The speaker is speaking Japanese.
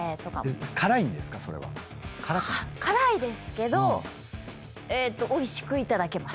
辛いですけどおいしくいただけます。